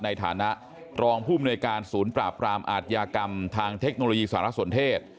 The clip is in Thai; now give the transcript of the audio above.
ในฐานะรองผู้มนวยการศูนย์ปราบรามอาทยากรรมทางเทคโนโลยีสารสนเทศ